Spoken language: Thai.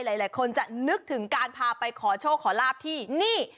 หลายคนจะนึกถึงการพาไปขอโชคขอลาบที่นี่